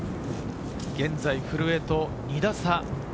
現在、古江と２打差。